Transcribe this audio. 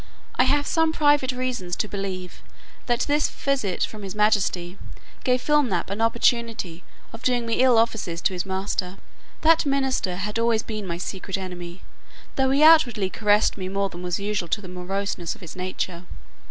I have some private reasons to believe, that this visit from his majesty gave Flimnap an opportunity of doing me ill offices to his master. That minister had always been my secret enemy, though he outwardly caressed me more than was usual to the moroseness of his nature.